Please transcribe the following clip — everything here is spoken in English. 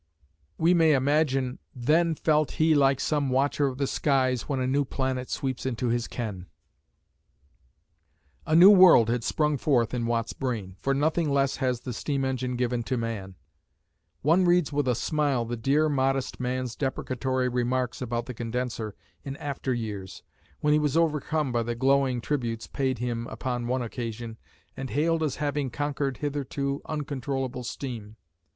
We may imagine "Then felt he like some watcher of the skies When a new planet sweeps into his ken." A new world had sprung forth in Watt's brain, for nothing less has the steam engine given to man. One reads with a smile the dear modest man's deprecatory remarks about the condenser in after years, when he was overcome by the glowing tributes paid him upon one occasion and hailed as having conquered hitherto uncontrollable steam.